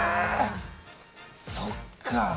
そっか！